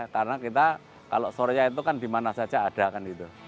karena kita kalau surya itu kan dimana saja ada kan itu